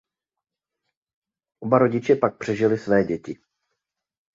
Oba rodiče pak přežili své děti.